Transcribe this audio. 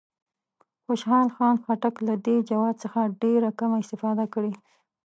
خوشحال خان خټک له دې جواز څخه ډېره کمه استفاده کړې.